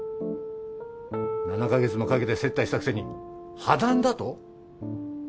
７か月もかけて接待したくせに破談だと？